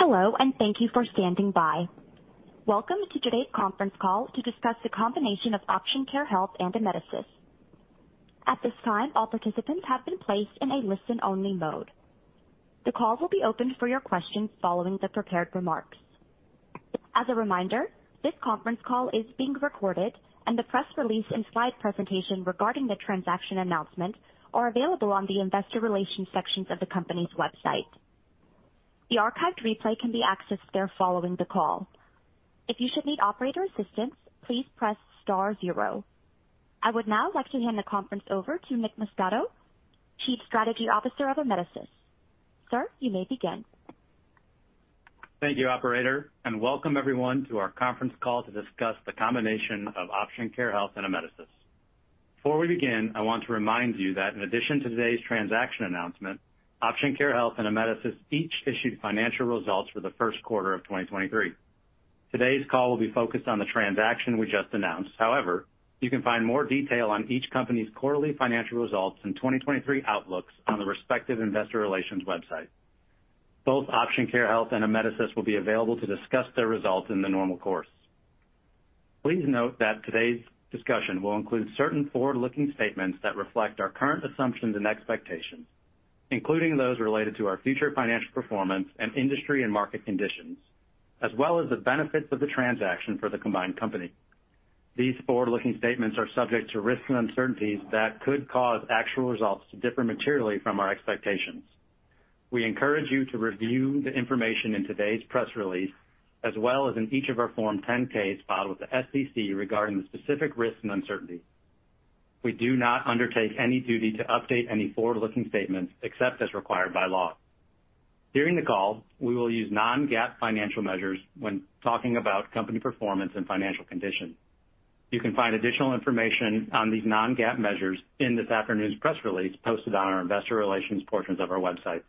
Hello, thank you for standing by. Welcome to today's conference call to discuss the combination of Option Care Health and Amedisys. At this time, all participants have been placed in a listen-only mode. The call will be opened for your questions following the prepared remarks. As a reminder, this conference call is being recorded, and the press release and slide presentation regarding the transaction announcement are available on the investor relations sections of the company's website. The archived replay can be accessed there following the call. If you should need operator assistance, please press star zero. I would now like to hand the conference over to Nick Muscato, Chief Strategy Officer of Amedisys. Sir, you may begin. Thank you, operator. Welcome everyone to our conference call to discuss the combination of Option Care Health and Amedisys. Before we begin, I want to remind you that in addition to today's transaction announcement, Option Care Health and Amedisys each issued financial results for the first quarter of 2023. Today's call will be focused on the transaction we just announced. However, you can find more detail on each company's quarterly financial results and 2023 outlooks on the respective investor relations website. Both Option Care Health and Amedisys will be available to discuss their results in the normal course. Please note that today's discussion will include certain forward-looking statements that reflect our current assumptions and expectations, including those related to our future financial performance and industry and market conditions, as well as the benefits of the transaction for the combined company. These forward-looking statements are subject to risks and uncertainties that could cause actual results to differ materially from our expectations. We encourage you to review the information in today's press release, as well as in each of our Form 10-Ks filed with the SEC regarding the specific risks and uncertainties. We do not undertake any duty to update any forward-looking statements except as required by law. During the call, we will use non-GAAP financial measures when talking about company performance and financial conditions. You can find additional information on these non-GAAP measures in this afternoon's press release posted on our investor relations portions of our website.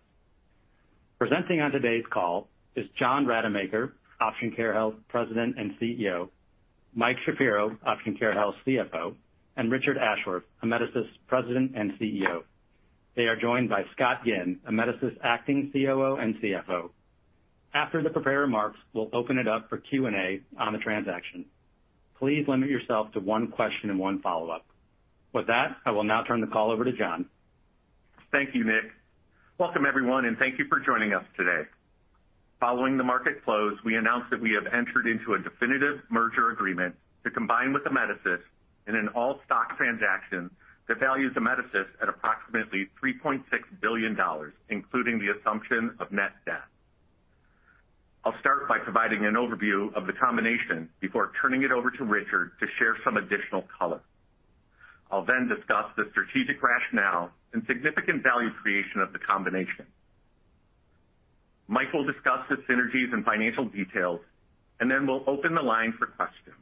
Presenting on today's call is John Rademacher, Option Care Health President and CEO, Mike Shapiro, Option Care Health CFO, and Richard Ashworth, Amedisys President and CEO. They are joined by Scott Ginn, Amedisys Acting COO and CFO. After the prepared remarks, we'll open it up for Q&A on the transaction. Please limit yourself to one question and one follow-up. With that, I will now turn the call over to John. Thank you, Nick. Welcome, everyone. Thank you for joining us today. Following the market close, we announced that we have entered into a definitive merger agreement to combine with Amedisys in an all-stock transaction that values Amedisys at approximately $3.6 billion, including the assumption of net debt. I'll start by providing an overview of the combination before turning it over to Richard to share some additional color. I'll discuss the strategic rationale and significant value creation of the combination. Mike will discuss the synergies and financial details, and then we'll open the line for questions.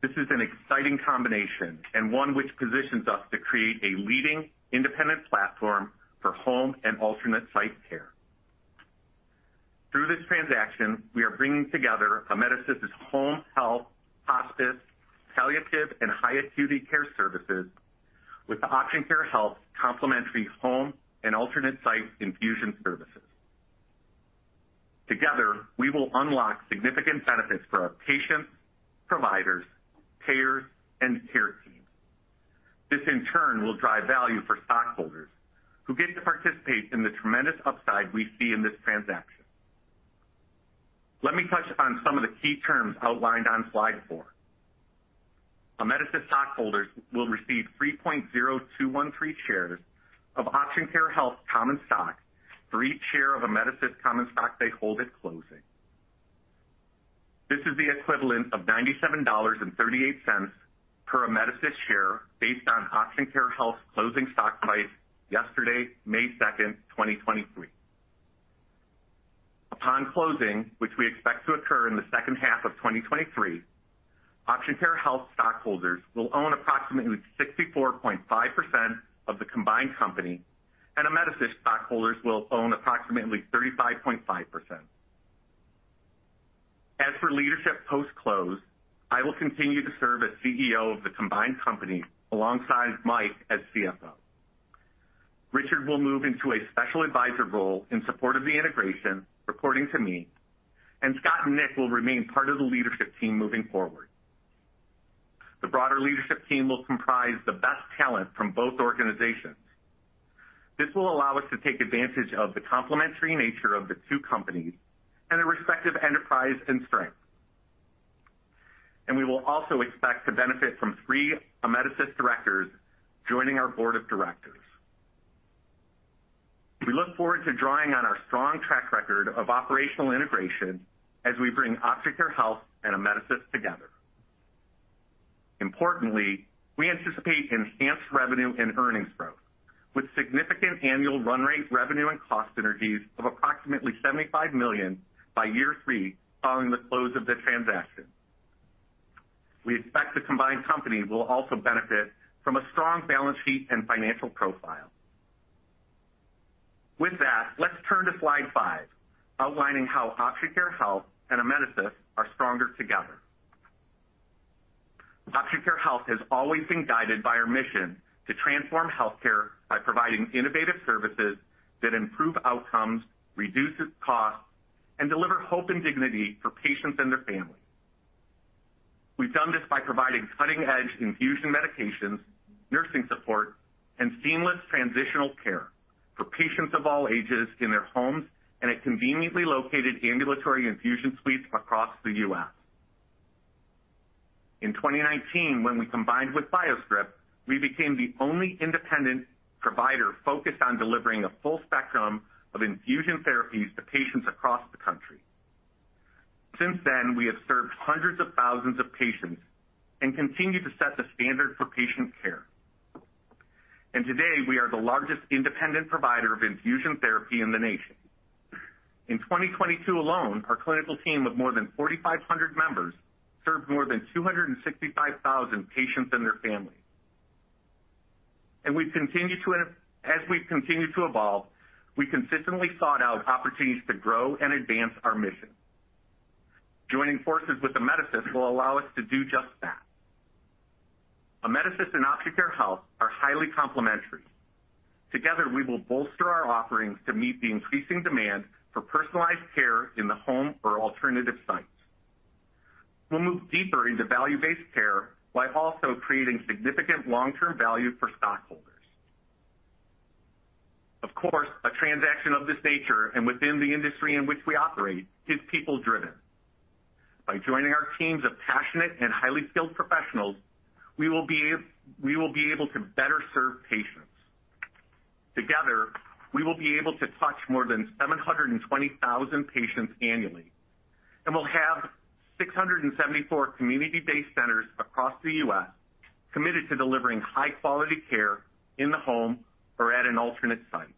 This is an exciting combination and one which positions us to create a leading independent platform for home and alternate site care. Through this transaction, we are bringing together Amedisys home health, hospice, palliative, and high-acuity care services with the Option Care Health complimentary home and alternate-site infusion services. Together, we will unlock significant benefits for our patients, providers, payers, and care teams. This, in turn, will drive value for stockholders who get to participate in the tremendous upside we see in this transaction. Let me touch on some of the key terms outlined on slide four. Amedisys stockholders will receive 3.0213 shares of Option Care Health common stock for each share of Amedisys common stock they hold at closing. This is the equivalent of $97.38 per Amedisys share based on Option Care Health's closing stock price yesterday, May second, 2023. Upon closing, which we expect to occur in the second half of 2023, Option Care Health stockholders will own approximately 64.5% of the combined company, and Amedisys stockholders will own approximately 35.5%. As for leadership post-close, I will continue to serve as CEO of the combined company alongside Mike as CFO. Richard will move into a special advisor role in support of the integration, reporting to me. Scott and Nick will remain part of the leadership team moving forward. The broader leadership team will comprise the best talent from both organizations. This will allow us to take advantage of the complementary nature of the two companies and their respective enterprise and strengths. We will also expect to benefit from three Amedisys directors joining our board of directors. We look forward to drawing on our strong track record of operational integration as we bring Option Care Health and Amedisys together. Importantly, we anticipate enhanced revenue and earnings growth, with significant annual run rate revenue and cost synergies of approximately $75 million by year three following the close of the transaction. We expect the combined company will also benefit from a strong balance sheet and financial profile. With that, let's turn to slide five, outlining how Option Care Health and Amedisys are stronger together. Health has always been guided by our mission to transform healthcare by providing innovative services that improve outcomes, reduces costs, and deliver hope and dignity for patients and their families. We've done this by providing cutting-edge infusion medications, nursing support, and seamless transitional care for patients of all ages in their homes and at conveniently located ambulatory infusion suites across the U.S. In 2019, when we combined with BioScrip, we became the only independent provider focused on delivering a full spectrum of infusion therapies to patients across the country. Since then, we have served hundreds of thousands of patients and continue to set the standard for patient care. Today, we are the largest independent provider of infusion therapy in the nation. In 2022 alone, our clinical team of more than 4,500 members served more than 265,000 patients and their families. As we've continued to evolve, we consistently sought out opportunities to grow and advance our mission. Joining forces with Amedisys will allow us to do just that. Amedisys and Option Care Health are highly complementary. Together, we will bolster our offerings to meet the increasing demand for personalized care in the home or alternative sites. We'll move deeper into value-based care while also creating significant long-term value for stockholders. Of course, a transaction of this nature and within the industry in which we operate is people-driven. By joining our teams of passionate and highly skilled professionals, we will be able to better serve patients. Together, we will be able to touch more than 720,000 patients annually, and we'll have 674 community-based centers across the U.S. committed to delivering high-quality care in the home or at an alternate site.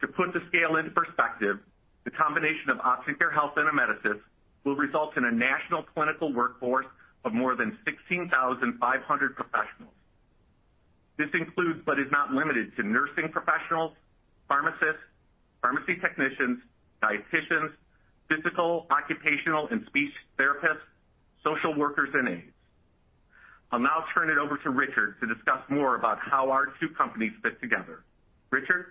To put the scale into perspective, the combination of Option Care Health and Amedisys will result in a national clinical workforce of more than 16,500 professionals. This includes, but is not limited to nursing professionals, pharmacists, pharmacy technicians, dieticians, physical, occupational, and speech therapists, social workers, and aides. I'll now turn it over to Richard to discuss more about how our two companies fit together. Richard?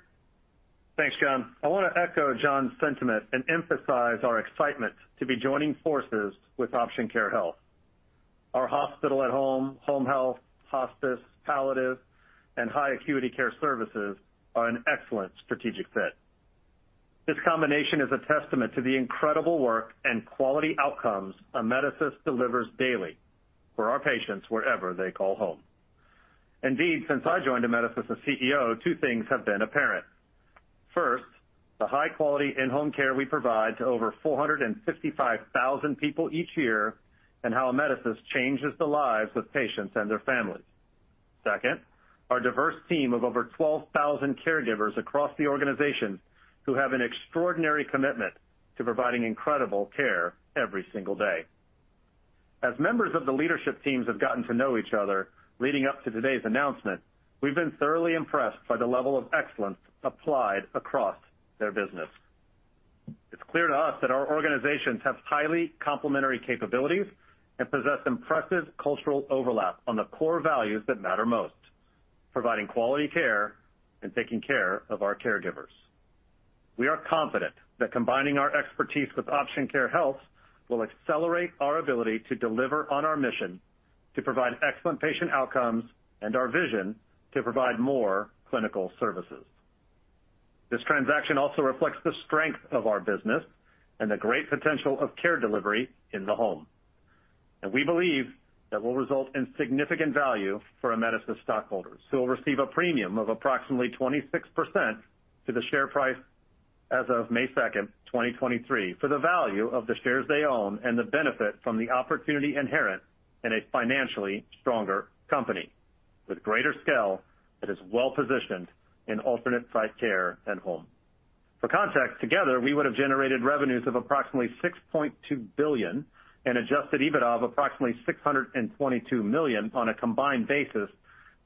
Thanks, John. I wanna echo John's sentiment and emphasize our excitement to be joining forces with Option Care Health. Our hospital at home health, hospice, palliative, and high-acuity care services are an excellent strategic fit. This combination is a testament to the incredible work and quality outcomes Amedisys delivers daily for our patients wherever they call home. Indeed, since I joined Amedisys as CEO, two things have been apparent. First, the high quality in-home care we provide to over 455,000 people each year and how Amedisys changes the lives of patients and their families. Second, our diverse team of over 12,000 caregivers across the organization who have an extraordinary commitment to providing incredible care every single day. As members of the leadership teams have gotten to know each other leading up to today's announcement, we've been thoroughly impressed by the level of excellence applied across their business. It's clear to us that our organizations have highly complementary capabilities and possess impressive cultural overlap on the core values that matter most, providing quality care and taking care of our caregivers. We are confident that combining our expertise with Option Care Health will accelerate our ability to deliver on our mission to provide excellent patient outcomes and our vision to provide more clinical services. This transaction also reflects the strength of our business and the great potential of care delivery in the home. We believe that will result in significant value for Amedisys stockholders, who will receive a premium of approximately 26% to the share price as of May 2, 2023, for the value of the shares they own and the benefit from the opportunity inherent in a financially stronger company with greater scale that is well-positioned in alternate site care and home. For context, together, we would have generated revenues of approximately $6.2 billion and adjusted EBITDA of approximately $622 million on a combined basis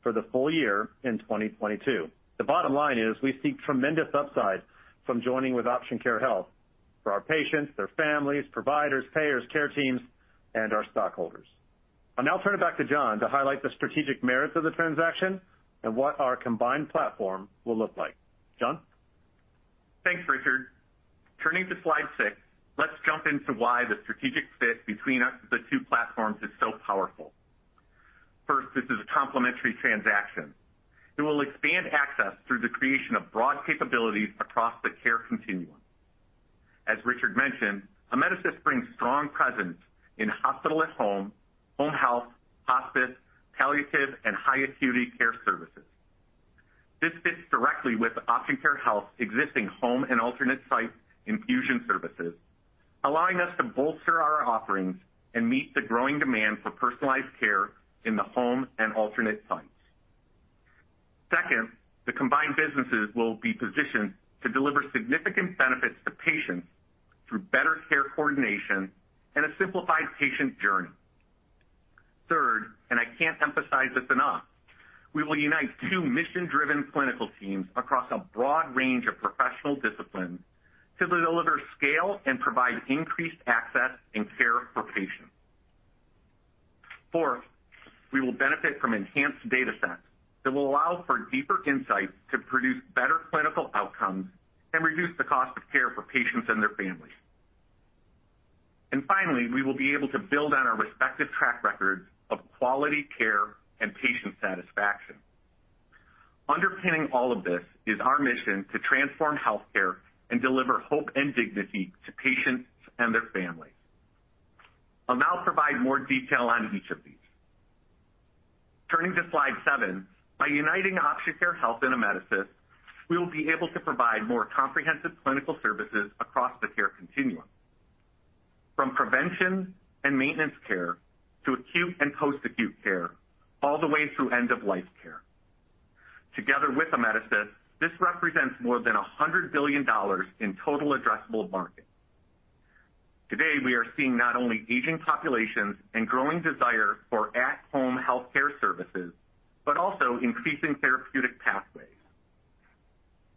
for the full year in 2022. The bottom line is we see tremendous upside from joining with Option Care Health for our patients, their families, providers, payers, care teams, and our stockholders. I'll now turn it back to John to highlight the strategic merits of the transaction and what our combined platform will look like. John? Thanks, Richard. Turning to slide six, let's jump into why the strategic fit between us, the two platforms is so powerful. First, this is a complementary transaction. It will expand access through the creation of broad capabilities across the care continuum. As Richard mentioned, Amedisys brings strong presence in hospital at home health, hospice, palliative, and high acuity care services. This fits directly with Option Care Health's existing home and alternate-site infusion services, allowing us to bolster our offerings and meet the growing demand for personalized care in the home and alternate sites. Second, the combined businesses will be positioned to deliver significant benefits to patients through better care coordination and a simplified patient journey. Third, I can't emphasize this enough. We will unite two mission-driven clinical teams across a broad range of professional disciplines to deliver scale and provide increased access and care for patients. Fourth, we will benefit from enhanced data sets that will allow for deeper insights to produce better clinical outcomes and reduce the cost of care for patients and their families. Finally, we will be able to build on our respective track records of quality care and patient satisfaction. Underpinning all of this is our mission to transform healthcare and deliver hope and dignity to patients and their families. I'll now provide more detail on each of these. Turning to slide seven, by uniting Option Care Health and Amedisys, we will be able to provide more comprehensive clinical services across the care continuum, from prevention and maintenance care to acute and post-acute care, all the way through end-of-life care. Together with Amedisys, this represents more than $100 billion in total addressable market. Today, we are seeing not only aging populations and growing desire for at-home healthcare services, but also increasing therapeutic pathways.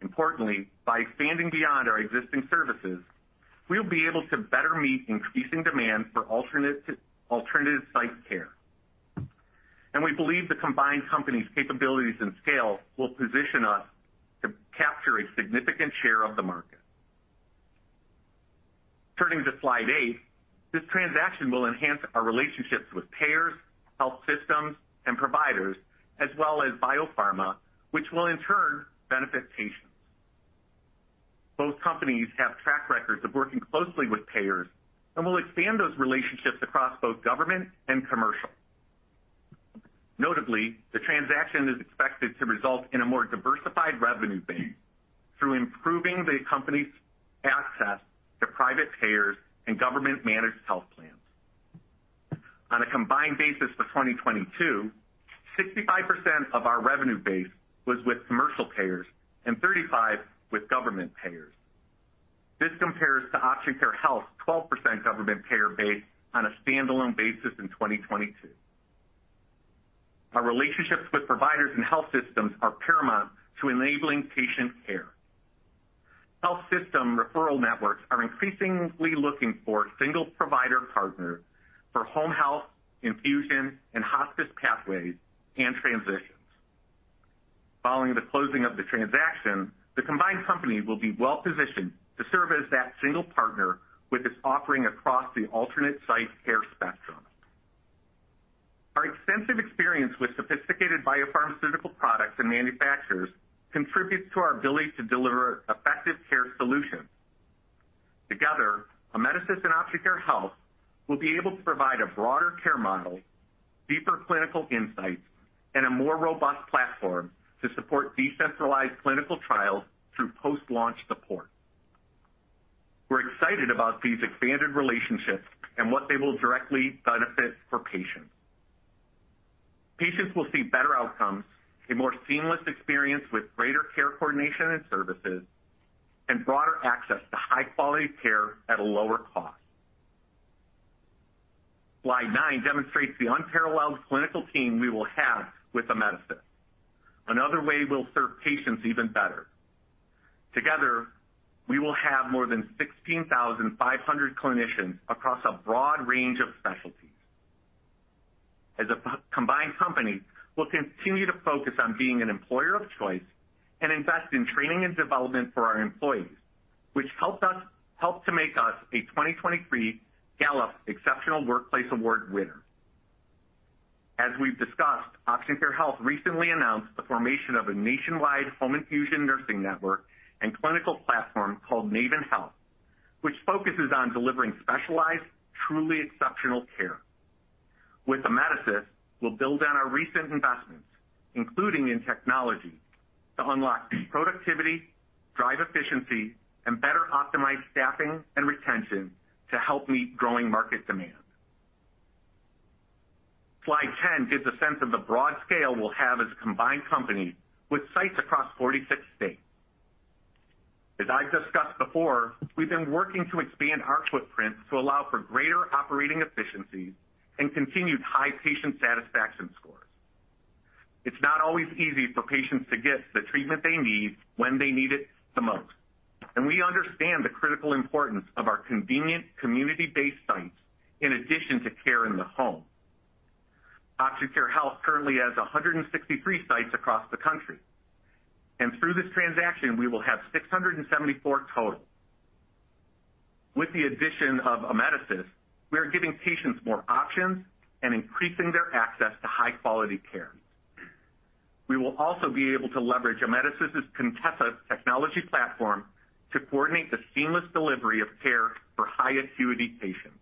Importantly, by expanding beyond our existing services, we'll be able to better meet increasing demand for alternate site care. We believe the combined company's capabilities and scale will position us to capture a significant share of the market. Turning to slide eight, this transaction will enhance our relationships with payers, health systems, and providers, as well as biopharma, which will in turn benefit patients. Both companies have track records of working closely with payers and will expand those relationships across both government and commercial. Notably, the transaction is expected to result in a more diversified revenue base through improving the company's access to private payers and government-managed health plans. On a combined basis for 2022, 65% of our revenue base was with commercial payers and 35% with government payers. This compares to Option Care Health 12% government payer base on a standalone basis in 2022. Our relationships with providers and health systems are paramount to enabling patient care. Health system referral networks are increasingly looking for single provider partners for home health, infusion, and hospice pathways and transitions. Following the closing of the transaction, the combined company will be well-positioned to serve as that single partner with its offering across the alternate site care spectrum. Our extensive experience with sophisticated biopharmaceutical products and manufacturers contributes to our ability to deliver effective care solutions. Together, Amedisys and Option Care Health will be able to provide a broader care model, deeper clinical insights, and a more robust platform to support decentralized clinical trials through post-launch support. We're excited about these expanded relationships and what they will directly benefit for patients. Patients will see better outcomes, a more seamless experience with greater care coordination and services, and broader access to high-quality care at a lower cost. Slide nine demonstrates the unparalleled clinical team we will have with Amedisys. Another way we'll serve patients even better. Together, we will have more than 16,500 clinicians across a broad range of specialties. As a combined company, we'll continue to focus on being an employer of choice and invest in training and development for our employees, which helped to make us a 2023 Gallup Exceptional Workplace Award winner. As we've discussed, Option Care Health recently announced the formation of a nationwide home infusion nursing network and clinical platform called Naven Health, which focuses on delivering specialized, truly exceptional care. With Amedisys, we'll build on our recent investments, including in technology, to unlock productivity, drive efficiency, and better optimize staffing and retention to help meet growing market demand. Slide 10 gives a sense of the broad scale we'll have as a combined company with sites across 46 states. As I've discussed before, we've been working to expand our footprint to allow for greater operating efficiencies and continued high patient satisfaction scores. It's not always easy for patients to get the treatment they need when they need it the most, and we understand the critical importance of our convenient community-based sites in addition to care in the home. Option Care Health currently has 163 sites across the country, and through this transaction, we will have 674 total. With the addition of Amedisys, we are giving patients more options and increasing their access to high-quality care. We will also be able to leverage Amedisys' Contessa technology platform to coordinate the seamless delivery of care for high acuity patients.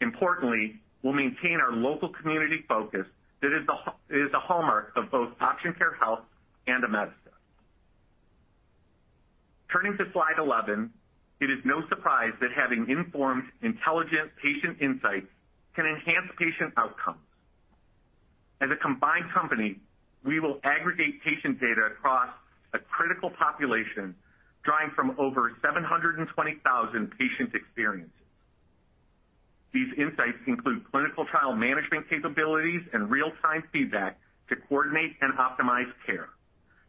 Importantly, we'll maintain our local community focus that is the hallmark of both Option Care Health and Amedisys. Turning to slide 11, it is no surprise that having informed, intelligent patient insights can enhance patient outcomes. As a combined company, we will aggregate patient data across a critical population drawing from over 720,000 patient experiences. These insights include clinical trial management capabilities and real-time feedback to coordinate and optimize care,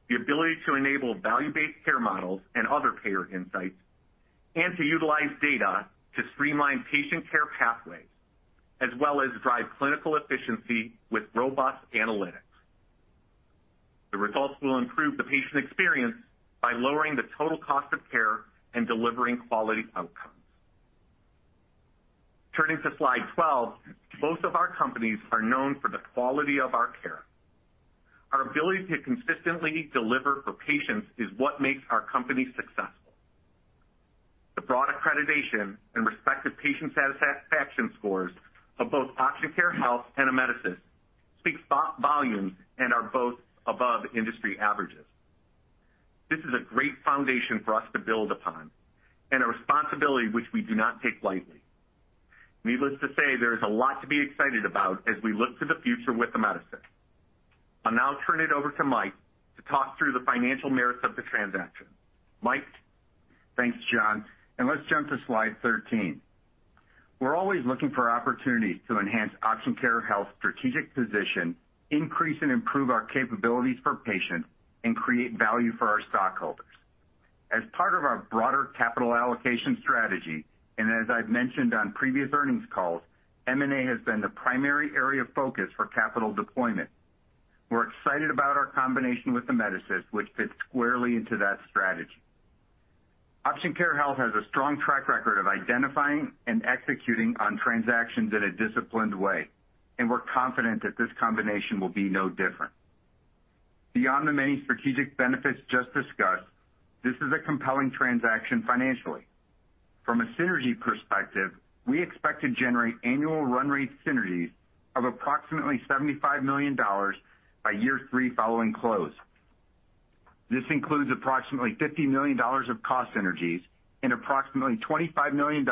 the ability to enable value-based care models and other payer insights, and to utilize data to streamline patient care pathways, as well as drive clinical efficiency with robust analytics. The results will improve the patient experience by lowering the total cost of care and delivering quality outcomes. Turning to slide 12, both of our companies are known for the quality of our care. Our ability to consistently deliver for patients is what makes our company successful. The broad accreditation and respective patient satisfaction scores of both Option Care Health and Amedisys speaks volumes and are both above industry averages. This is a great foundation for us to build upon and a responsibility which we do not take lightly. Needless to say, there is a lot to be excited about as we look to the future with Amedisys. I'll now turn it over to Mike to talk through the financial merits of the transaction. Mike? Thanks, John, and let's jump to slide 13. We're always looking for opportunities to enhance Option Care Health's strategic position, increase and improve our capabilities for patients, and create value for our stockholders. As part of our broader capital allocation strategy, and as I've mentioned on previous earnings calls, M&A has been the primary area of focus for capital deployment. We're excited about our combination with Amedisys, which fits squarely into that strategy. Option Care Health has a strong track record of identifying and executing on transactions in a disciplined way, and we're confident that this combination will be no different. Beyond the many strategic benefits just discussed, this is a compelling transaction financially. From a synergy perspective, we expect to generate annual run rate synergies of approximately $75 million by year three following close. This includes approximately $50 million of cost synergies and approximately $25 million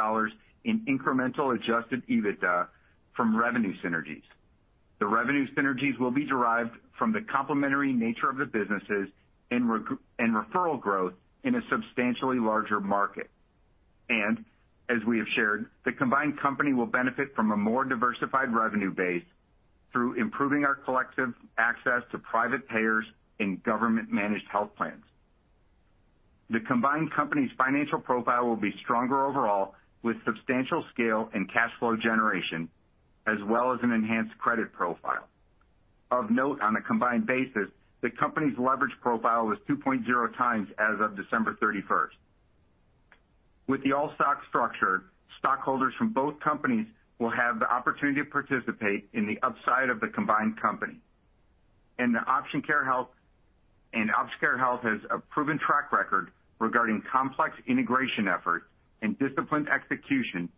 in incremental adjusted EBITDA from revenue synergies. The revenue synergies will be derived from the complementary nature of the businesses and referral growth in a substantially larger market. As we have shared, the combined company will benefit from a more diversified revenue base through improving our collective access to private payers and government-managed health plans. The combined company's financial profile will be stronger overall, with substantial scale and cash flow generation, as well as an enhanced credit profile. Of note, on a combined basis, the company's leverage profile was 2.0 times as of December 31st. With the all-stock structure, stockholders from both companies will have the opportunity to participate in the upside of the combined company. Option Care Health has a proven track record regarding complex integration efforts and disciplined execution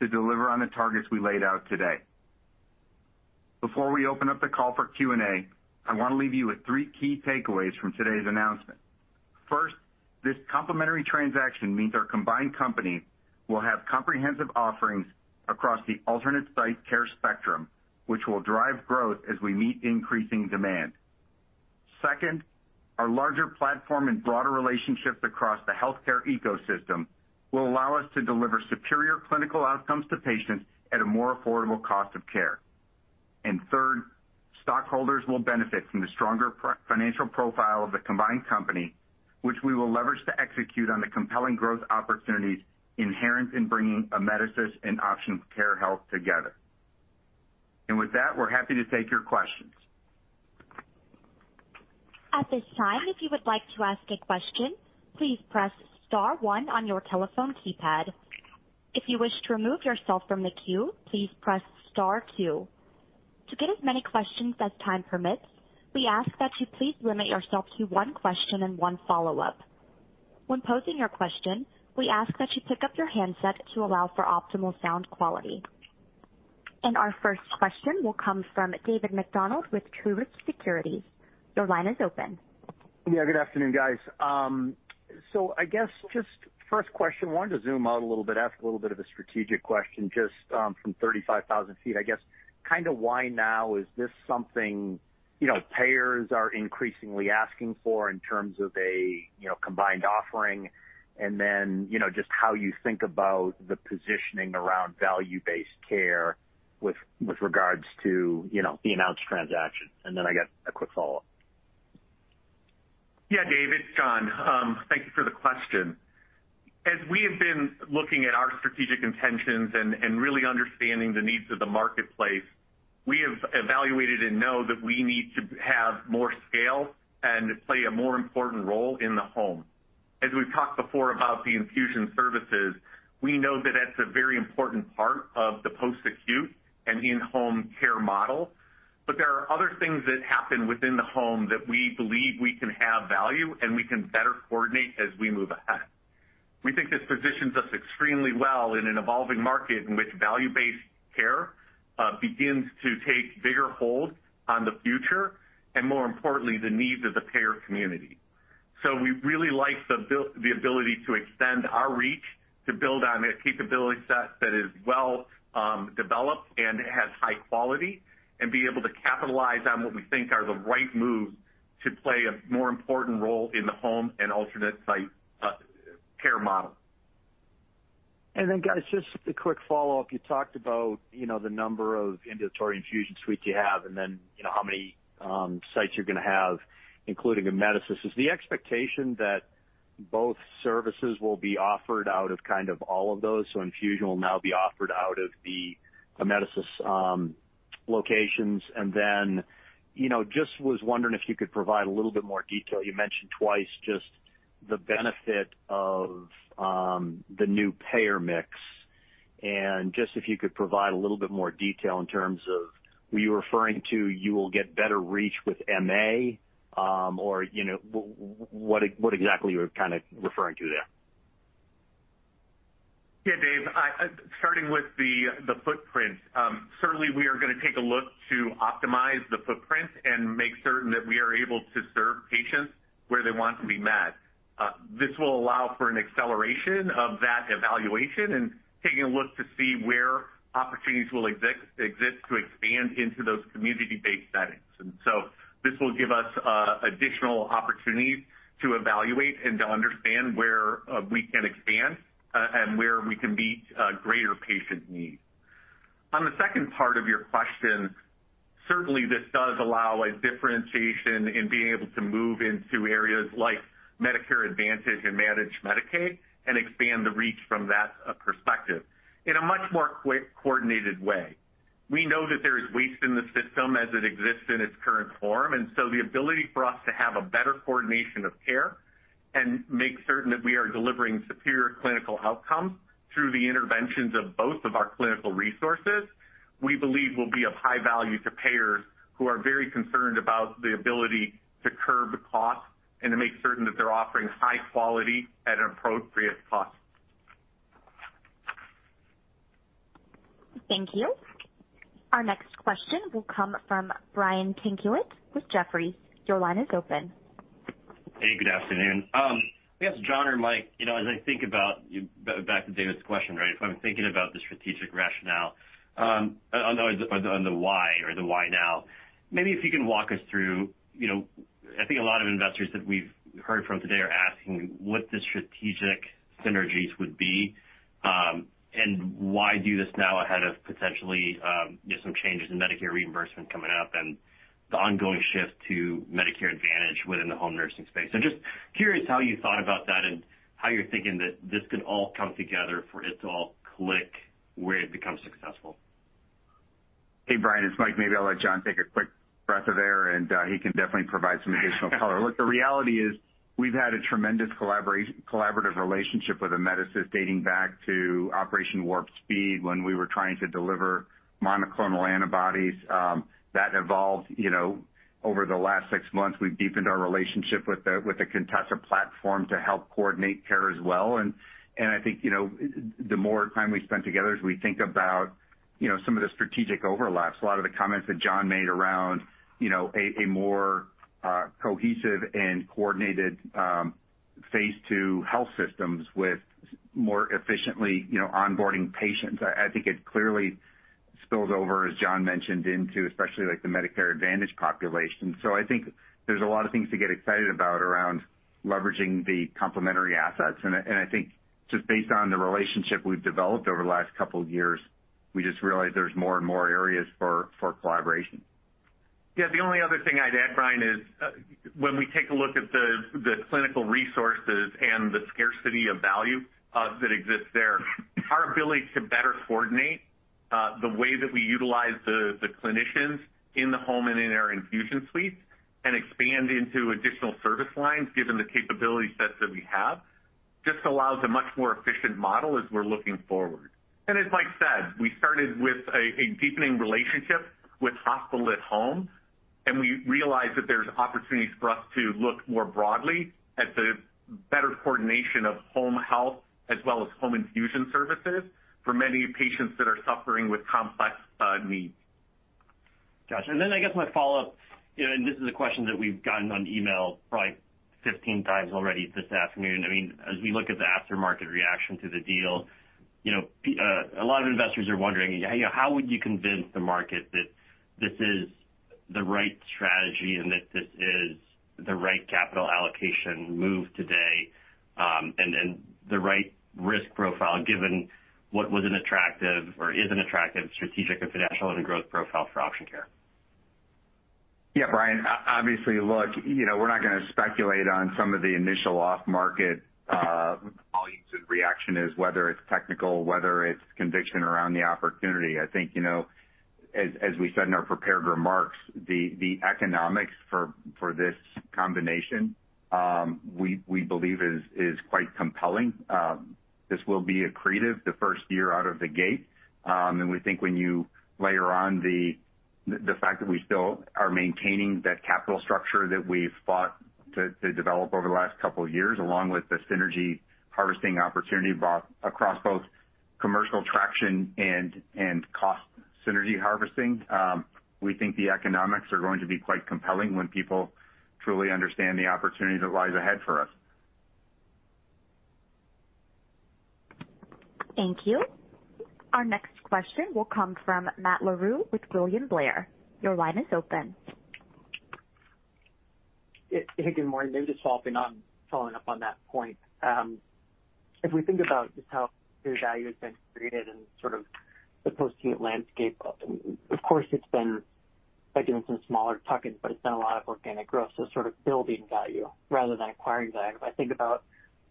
to deliver on the targets we laid out today. Before we open up the call for Q&A, I wanna leave you with three key takeaways from today's announcement. First, this complementary transaction means our combined company will have comprehensive offerings across the alternate site care spectrum, which will drive growth as we meet increasing demand. Second, our larger platform and broader relationships across the healthcare ecosystem will allow us to deliver superior clinical outcomes to patients at a more affordable cost of care. Third, stockholders will benefit from the stronger financial profile of the combined company, which we will leverage to execute on the compelling growth opportunities inherent in bringing Amedisys and Option Care Health together. With that, we're happy to take your questions. At this time, if you would like to ask a question, please press star one on your telephone keypad. If you wish to remove yourself from the queue, please press star two. To get as many questions as time permits, we ask that you please limit yourself to one question and one follow-up. When posing your question, we ask that you pick up your handset to allow for optimal sound quality. Our first question will come from David MacDonald with Truist Securities. Your line is open. Yeah, good afternoon, guys. I guess just first question, wanted to zoom out a little bit, ask a little bit of a strategic question just, from 35,000 feet, I guess. Kinda why now is this something, you know, payers are increasingly asking for in terms of a, you know, combined offering? Then, you know, just how you think about the positioning around value-based care with regards to, you know, the announced transaction? Then I got a quick follow-up. Yeah, David, John. Thank you for the question. As we have been looking at our strategic intentions and really understanding the needs of the marketplace, we have evaluated and know that we need to have more scale and play a more important role in the home. As we've talked before about the infusion services, we know that that's a very important part of the post-acute and in-home care model. There are other things that happen within the home that we believe we can have value and we can better coordinate as we move ahead. We think this positions us extremely well in an evolving market in which value-based care begins to take bigger hold on the future, and more importantly, the needs of the payer community. We really like the ability to extend our reach to build on a capability set that is well developed and has high quality, and be able to capitalize on what we think are the right moves to play a more important role in the home and alternate site care model. Guys, just a quick follow-up. You talked about, you know, the number of ambulatory infusion suites you have, and then, you know, how many sites you're gonna have, including Amedisys. Is the expectation that both services will be offered out of kind of all of those? Infusion will now be offered out of the Amedisys locations. You know, just was wondering if you could provide a little bit more detail. You mentioned twice just the benefit of the new payer mix. Just if you could provide a little bit more detail in terms of were you referring to you will get better reach with MA, or, you know, what exactly you were kinda referring to there? Yeah, David. Starting with the footprint, certainly we are gonna take a look to optimize the footprint and make certain that we are able to serve patients where they want to be met. This will allow for an acceleration of that evaluation and taking a look to see where opportunities will exist to expand into those community-based settings. This will give us additional opportunities to evaluate and to understand where we can expand and where we can meet greater patient needs. On the second part of your question, certainly this does allow a differentiation in being able to move into areas like Medicare Advantage and Managed Medicaid and expand the reach from that perspective in a much more quick coordinated way. We know that there is waste in the system as it exists in its current form, and so the ability for us to have a better coordination of care and make certain that we are delivering superior clinical outcomes through the interventions of both of our clinical resources, we believe will be of high value to payers who are very concerned about the ability to curb costs and to make certain that they're offering high quality at an appropriate cost. Thank you. Our next question will come from Brian Tanquilut with Jefferies. Your line is open. Hey, good afternoon. I guess, John or Mike, you know, as I think about back to David's question, right? If I'm thinking about the strategic rationale, on the why or the why now. Maybe if you can walk us through, you know, I think a lot of investors that we've heard from today are asking what the strategic synergies would be, and why do this now ahead of potentially, you know, some changes in Medicare reimbursement coming up and the ongoing shift to Medicare Advantage within the home nursing space. Just curious how you thought about that and how you're thinking that this could all come together for it to all click where it becomes successful? Hey, Brian, it's Mike. Maybe I'll let John take a quick breath of air, and he can definitely provide some additional color. Look, the reality is we've had a tremendous collaborative relationship with Amedisys dating back to Operation Warp Speed when we were trying to deliver monoclonal antibodies. That evolved, you know, over the last six months. We've deepened our relationship with the Contessa platform to help coordinate care as well. I think, you know, the more time we spent together as we think about, you know, some of the strategic overlaps, a lot of the comments that John made around, you know, a more cohesive and coordinated phase to health systems with more efficiently, you know, onboarding patients. I think it clearly spills over, as John mentioned, into especially like the Medicare Advantage population. I think there's a lot of things to get excited about around leveraging the complementary assets. I think just based on the relationship we've developed over the last couple of years, we just realized there's more and more areas for collaboration. Yeah. The only other thing I'd add, Brian, is when we take a look at the clinical resources and the scarcity of value that exists there, our ability to better coordinate the way that we utilize the clinicians in the home and in our infusion suites and expand into additional service lines, given the capability sets that we have, just allows a much more efficient model as we're looking forward. As Mike said, we started with a deepening relationship with hospital at home, and we realized that there's opportunities for us to look more broadly at the better coordination of home health as well as home infusion services for many patients that are suffering with complex needs. Gotcha. I guess my follow-up, you know, and this is a question that we've gotten on email probably 15 times already this afternoon. I mean, as we look at the aftermarket reaction to the deal, you know, a lot of investors are wondering, you know: How would you convince the market that this is the right strategy and that this is the right capital allocation move today, and the right risk profile given what was an attractive or is an attractive strategic and financial and growth profile for Option Care? Yeah, Brian. Obviously, look, you know, we're not gonna speculate on some of the initial off market volumes and reaction is whether it's technical, whether it's conviction around the opportunity. I think, you know, as we said in our prepared remarks, the economics for this combination, we believe is quite compelling. This will be accretive the first year out of the gate. We think when you layer on the fact that we still are maintaining that capital structure that we've fought to develop over the last couple of years, along with the synergy harvesting opportunity brought across both commercial traction and cost synergy harvesting, we think the economics are going to be quite compelling when people truly understand the opportunity that lies ahead for us. Thank you. Our next question will come from Matt Larew with William Blair. Your line is open. Yeah. Hey, good morning. Maybe just following up on that point. If we think about just how your value has been created and sort of the post-acute landscape, of course, it's been by doing some smaller tuck-ins, but it's been a lot of organic growth. Sort of building value rather than acquiring value. If I think about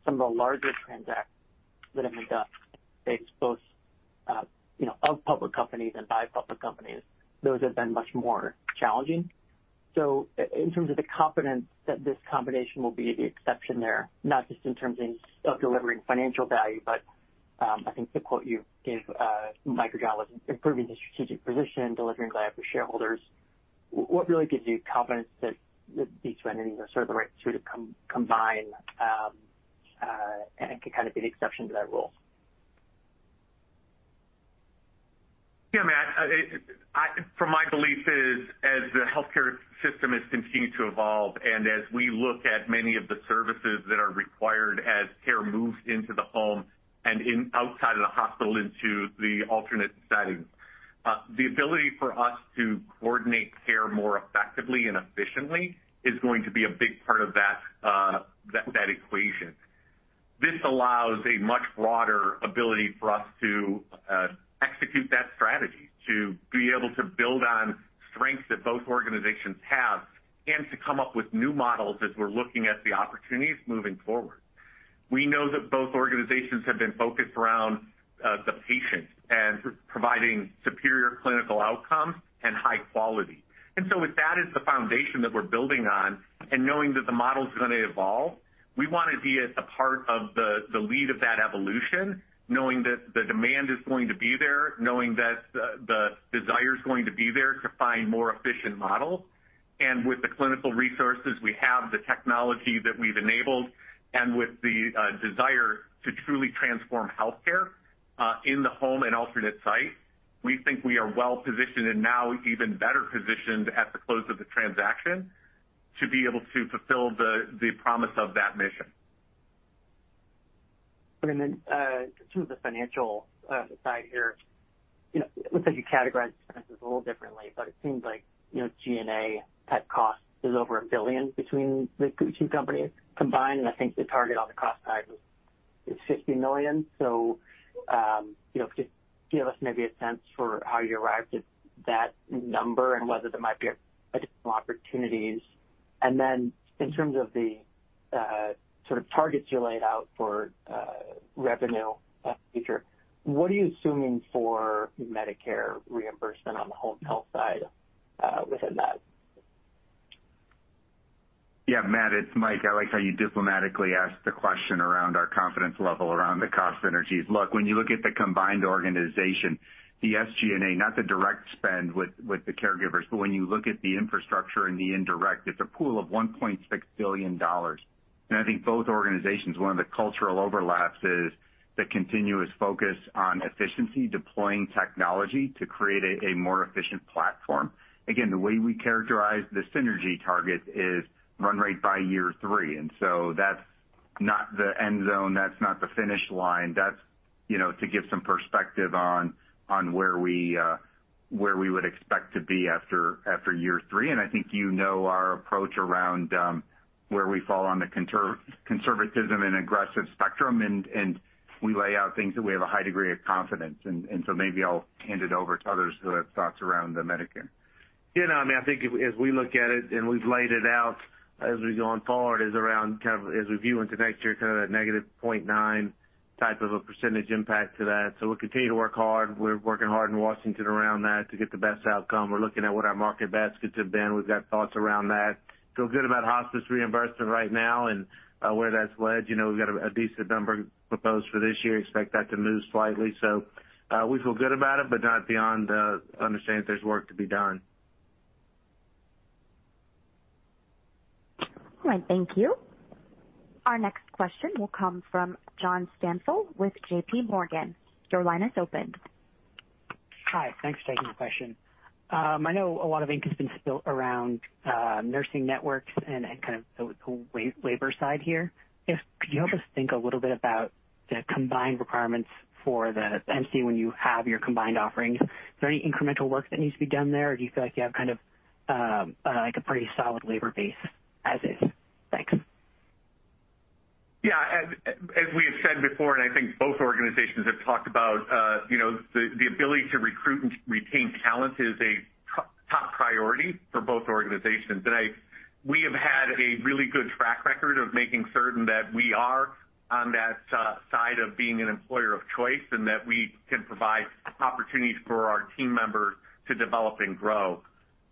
some of the larger transactions that have been done both, you know, of public companies and by public companies, those have been much more challenging. In terms of the confidence that this combination will be the exception there, not just in terms of delivering financial value, but, I think the quote you gave, Mike or John, was improving the strategic position, delivering value for shareholders. What really gives you confidence that these two entities are sort of the right two to combine, and can kind of be the exception to that rule? Matt, from my belief is, as the healthcare system has continued to evolve and as we look at many of the services that are required as care moves into the home and outside of the hospital into the alternate settings, the ability for us to coordinate care more effectively and efficiently is going to be a big part of that equation. This allows a much broader ability for us to execute that strategy, to be able to build on strengths that both organizations have and to come up with new models as we're looking at the opportunities moving forward. We know that both organizations have been focused around the patient and providing superior clinical outcomes and high quality. With that as the foundation that we're building on and knowing that the model's gonna evolve, we wanna be at the part of the lead of that evolution, knowing that the demand is going to be there, knowing that the desire is going to be there to find more efficient models. With the clinical resources we have, the technology that we've enabled, and with the desire to truly transform healthcare in the home and alternate site, we think we are well-positioned and now even better positioned at the close of the transaction to be able to fulfill the promise of that mission. To the financial side here, you know, it looks like you categorize expenses a little differently, but it seems like, you know, G&A type cost is over $1 billion between the two companies combined, and I think the target on the cost side is $50 million. You know, could you give us maybe a sense for how you arrived at that number and whether there might be additional opportunities? In terms of the sort of targets you laid out for revenue in the future, what are you assuming for Medicare reimbursement on the home health side within that? Yeah, Matt, it's Mike. I like how you diplomatically asked the question around our confidence level around the cost synergies. Look, when you look at the combined organization, the SG&A, not the direct spend with the caregivers, but when you look at the infrastructure and the indirect, it's a pool of $1.6 billion. I think both organizations, one of the cultural overlaps is the continuous focus on efficiency, deploying technology to create a more efficient platform. Again, the way we characterize the synergy target is run rate by year three. That's not the end zone, that's not the finish line. That's, you know, to give some perspective on where we would expect to be after year three. I think you know our approach around, where we fall on the conservatism and aggressive spectrum, and we lay out things that we have a high degree of confidence in. Maybe I'll hand it over to others who have thoughts around the Medicare. Yeah, no, I mean, I think as we look at it, and we've laid it out as we've gone forward, is around kind of as we view into next year, kind of that negative 0.9% impact to that. We'll continue to work hard. We're working hard in Washington around that to get the best outcome. We're looking at what our market baskets have been. We've got thoughts around that. Feel good about hospice reimbursement right now and where that's led. You know, we've got a decent number proposed for this year. Expect that to move slightly. We feel good about it, but not beyond understanding that there's work to be done. All right. Thank you. Our next question will come from John Stansel with JPMorgan. Your line is open. Hi. Thanks for taking the question. I know a lot of ink has been spilled around nursing networks and kind of the labor side here. If could you help us think a little bit about the combined requirements for the NC when you have your combined offerings? Is there any incremental work that needs to be done there, or do you feel like you have kind of like a pretty solid labor base as is? Thanks. As we have said before, and I think both organizations have talked about, you know, the ability to recruit and retain talent is a top priority for both organizations. We have had a really good track record of making certain that we are on that side of being an employer of choice and that we can provide opportunities for our team members to develop and grow.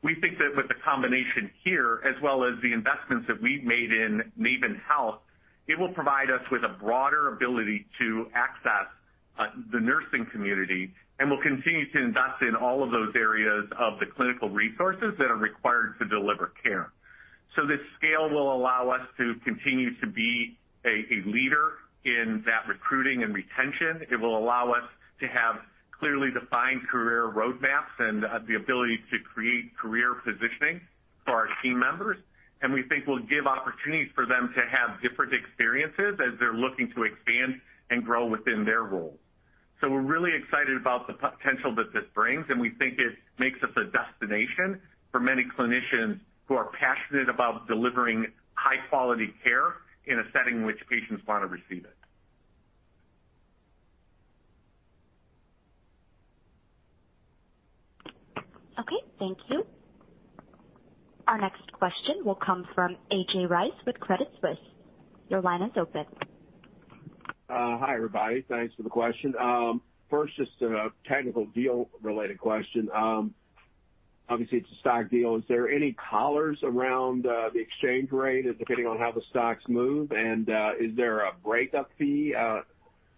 We think that with the combination here, as well as the investments that we've made in Naven Health, it will provide us with a broader ability to access the nursing community, and we'll continue to invest in all of those areas of the clinical resources that are required to deliver care. This scale will allow us to continue to be a leader in that recruiting and retention. It will allow us to have clearly defined career roadmaps and the ability to create career positioning for our team members. We think we'll give opportunities for them to have different experiences as they're looking to expand and grow within their role. We're really excited about the potential that this brings, and we think it makes us a destination for many clinicians who are passionate about delivering high-quality care in a setting in which patients wanna receive it. Okay. Thank you. Our next question will come from A.J. Rice with Credit Suisse. Your line is open. Hi, everybody. Thanks for the question. First, just a technical deal-related question. Obviously, it's a stock deal. Is there any collars around, the exchange rate depending on how the stocks move? Is there a breakup fee,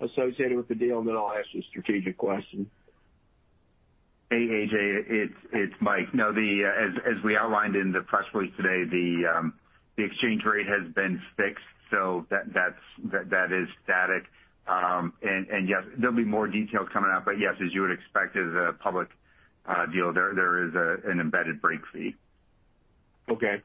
associated with the deal? I'll ask you a strategic question. Hey, A.J. It's Mike. No, as we outlined in the press release today, the exchange rate has been fixed, so that that is static. Yes, there'll be more details coming out, but yes, as you would expect as a public deal, there is an embedded break fee. Okay.